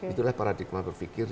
itulah paradigma berfikir